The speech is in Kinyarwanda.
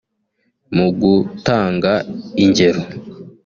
Mu gutanga ingero